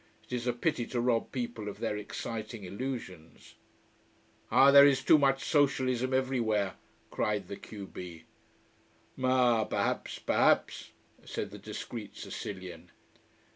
It is a pity to rob people of their exciting illusions. "Ah, there is too much socialism everywhere!" cried the q b. "Ma perhaps, perhaps " said the discreet Sicilian.